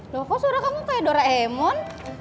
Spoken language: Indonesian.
loh kok saudara kamu kayak doraemon